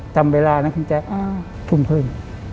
จำเวลานะคุณแจ๊คทุ่มครึ่ง